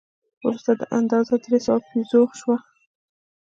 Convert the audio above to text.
وروسته دا اندازه درې سوه پیزو شوه.